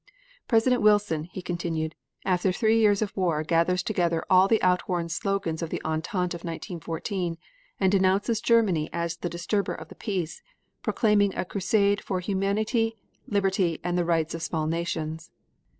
"President Wilson," he continued, "after three years of war gathers together all the outworn slogans of the Entente of 1914, and denounces Germany as the disturber of the peace, proclaiming a crusade for humanity, liberty and the rights of small nations."